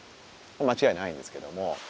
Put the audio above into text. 間違いないんですけども。